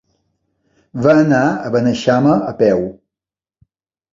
Va anar a Beneixama a peu.